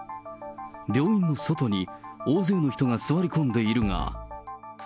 病院の外に大勢の人が座り込んでいるが。